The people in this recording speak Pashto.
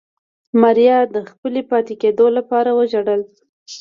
ماريا د خپلې پاتې کېدو لپاره وژړل.